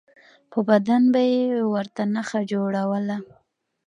په بدن به یې ورته نښه جوړوله.